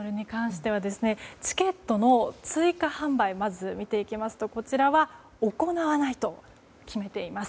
チケットの追加販売をまず見ていきますとこちらは行わないと決めています。